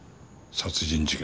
殺人事件？